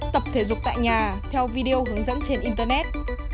tập thể dục tại nhà theo video hướng dẫn trên internet